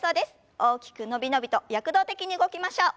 大きく伸び伸びと躍動的に動きましょう。